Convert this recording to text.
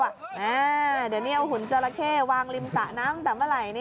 เดี๋ยวนี้เอาหุ่นจราเข้วางริมสะน้ำตั้งแต่เมื่อไหร่